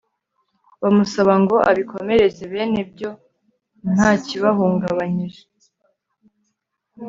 bamusaba ngo abikomereze bene byo nta kibihungabanyije